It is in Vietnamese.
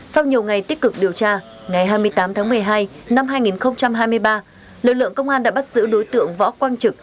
sau nhiều ngày tích cực điều tra ngày hai mươi tám tháng một mươi hai năm hai nghìn hai mươi ba lực lượng công an đã bắt giữ đối tượng võ quang trực